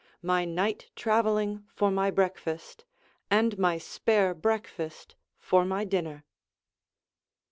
my night travelling for my breakfast, and my spare breakfast for my dinner.